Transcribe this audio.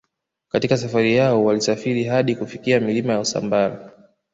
Katika safari yao walisafiri hadi kufika milima ya Usambara